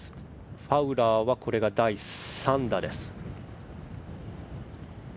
ファウラーはこれが第３打です。